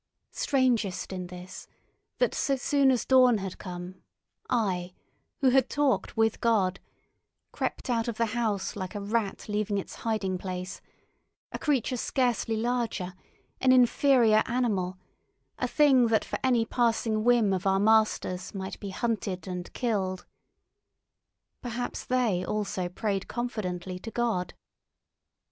Strange night! Strangest in this, that so soon as dawn had come, I, who had talked with God, crept out of the house like a rat leaving its hiding place—a creature scarcely larger, an inferior animal, a thing that for any passing whim of our masters might be hunted and killed. Perhaps they also prayed confidently to God.